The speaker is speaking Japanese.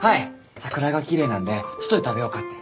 桜がきれいなんで外で食べようかって。